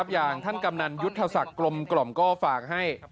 อย่างท่านกำนันยุทธศักดิ์กลมกล่อมก็ฝากให้